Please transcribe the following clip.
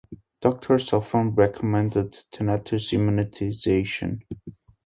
Doctors often recommend a tetanus immunization.